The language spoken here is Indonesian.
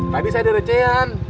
tadi saya derecehan